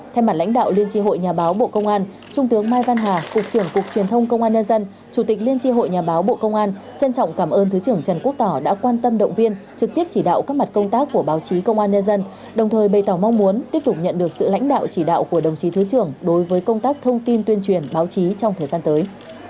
thay mặt lãnh đạo liên tri hội nhà báo bộ công an trung tướng mai văn hà cục trưởng cục truyền thông công an nhân dân chủ tịch liên tri hội nhà báo bộ công an trân trọng cảm ơn thứ trưởng trần quốc tỏ đã quan tâm động viên trực tiếp chỉ đạo các mặt công tác của báo chí công an nhân dân đồng thời bày tỏ mong muốn tiếp tục nhận được sự lãnh đạo chỉ đạo của đồng chí thứ trưởng đối với công tác thông tin tuyên truyền báo chí trong thời gian tới